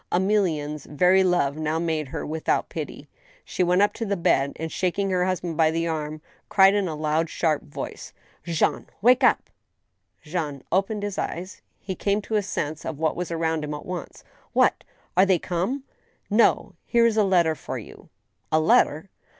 Emilienne's very love now made her without pity. She went up , GOOfy NEWS. 83 to the bed, and, shaking* her husband by the arm, cried in a loud, sharp voice :. "Jean !— ^wake up." Jean opened his eyes. He came to a sense of what was around him at once. " What } Are they come ?"" No. Here's a letter for you." "A letter?"